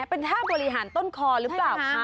เป็นท่าบริหารต้นคอหรือเปล่าคะ